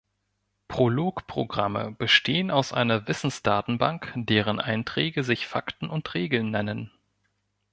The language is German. Prolog-Programme bestehen aus einer Wissensdatenbank, deren Einträge sich Fakten und Regeln nennen.